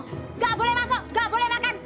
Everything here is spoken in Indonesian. gak boleh masuk gak boleh makan